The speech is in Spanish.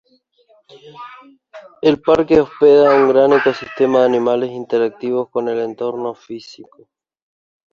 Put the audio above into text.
El parque hospeda un gran ecosistema de animales interactivos con el entorno físico.